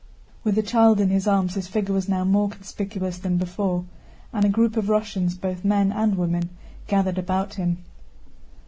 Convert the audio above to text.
With the child in his arms his figure was now more conspicuous than before, and a group of Russians, both men and women, gathered about him.